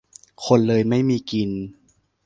คนเลยไม่มีกิน